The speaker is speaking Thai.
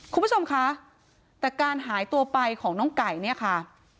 คุณผู้ชมคะแต่การหายตัวไปของน้องไก่เนี่ยค่ะ